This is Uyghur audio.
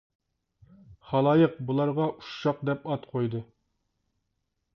خالايىق بۇلارغا «ئۇششاق» دەپ ئات قويدى.